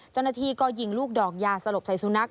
เจ้าหน้าที่ก็ยิงลูกดอกยาสลบใส่สุนัข